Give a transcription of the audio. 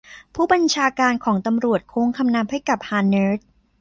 ผู้บัญชาการของตำรวจโค้งคำนับให้กับฮานเนิร์ด